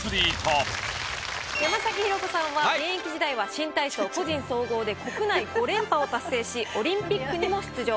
山浩子さんは現役時代は新国内５連覇を達成しオリンピックにも出場。